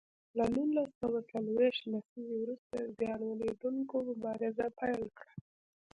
له نولس سوه څلویښت لسیزې وروسته زیان ولیدوونکو مبارزه پیل کړه.